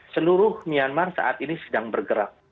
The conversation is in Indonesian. seluruh myanmar saat ini sedang bergerak